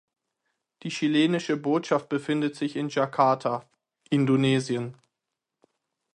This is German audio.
Die chilenische Botschaft befindet sich in Jakarta (Indonesien).